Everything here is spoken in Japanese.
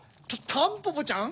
タンポポちゃん